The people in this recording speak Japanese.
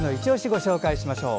ご紹介していきましょう。